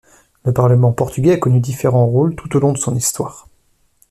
Le Parlement portugais a connu différent rôles tout au long de son histoire.